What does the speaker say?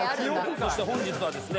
そして本日はですね